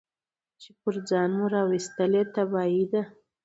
چي پر ځان مو راوستلې تباهي ده